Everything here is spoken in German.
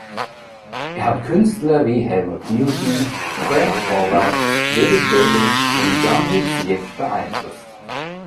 Er hat Künstler wie Helmut Newton, Frank Horvat, David Bailey und Jeanloup Sieff beeinflusst.